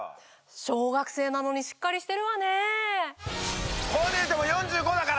小学生なのにしっかりしてるわね。